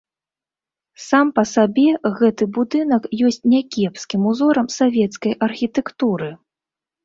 Сам па сабе гэты будынак ёсць някепскім узорам савецкай архітэктуры.